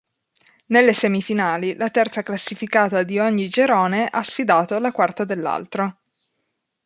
Nelle semifinali, la terza classificata di ogni girone ha sfidato la quarta dell'altro.